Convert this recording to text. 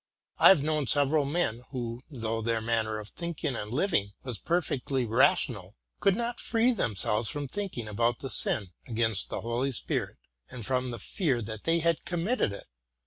I have known several men, who, though their manner of think ing and living was perfectly rational, could not free them selves from thinking about the sin against the Holy Ghost, and from the fear that they had committed it.